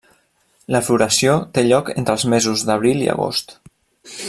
La floració té lloc entre els mesos d'abril i agost.